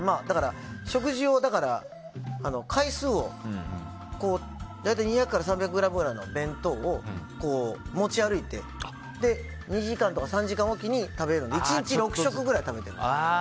食事の回数をだから大体２００から３００ｇくらいの弁当を持ち歩いて２時間とか３時間おきに食べるので１日６食ぐらい食べてるんです。